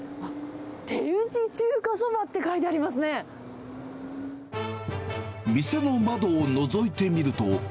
手打ち中華そばって書いてありま店の窓をのぞいてみると。